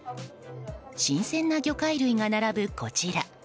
新鮮な魚介類が並ぶこちら。